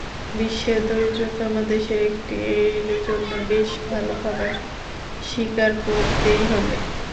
বিশ্বের দরিদ্রতম দেশের একটির জন্যে বেশ ভাল খাবার স্বীকার করতেই হবে।